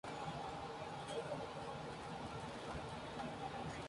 La sinfonía ha sido atribuida a Joseph Haydn, Michael Haydn y Leopold Mozart.